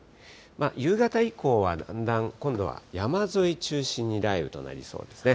夕方以降はだんだん今度は山沿い中心に雷雨となりそうですね。